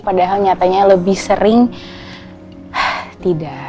padahal nyatanya lebih sering tidak